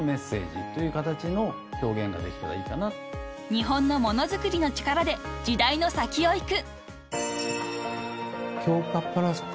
［日本の物作りの力で時代の先を行く］